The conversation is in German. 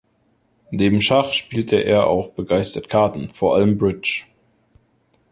Neben Schach spielte er auch begeistert Karten, vor allem Bridge.